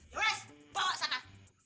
yaudah bawa sana